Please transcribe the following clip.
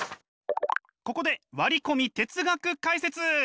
ここで割り込み哲学解説。